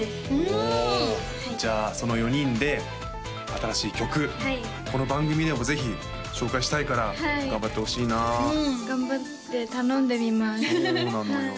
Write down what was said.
おじゃあその４人で新しい曲この番組でもぜひ紹介したいから頑張ってほしいな頑張って頼んでみますそうなのよ